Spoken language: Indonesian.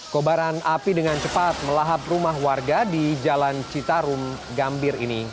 kobaran api dengan cepat melahap rumah warga di jalan citarum gambir ini